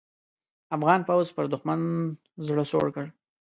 افغان پوځ پر دوښمن زړه سوړ کړ.